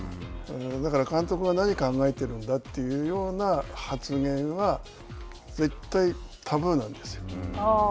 だから、監督が何考えてるんだというような発言は絶対タブーなんですよ。